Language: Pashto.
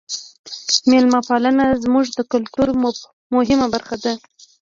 میلمه پالنه زموږ د کلتور مهمه برخه ده.